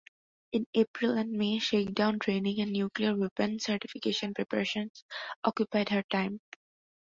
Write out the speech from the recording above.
In April and May shakedown training and nuclear weapons certification preparations occupied her time.